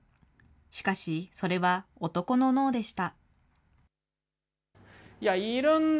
しかしそれは男の脳でした。